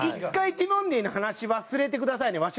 ティモンディの話忘れてくださいねわし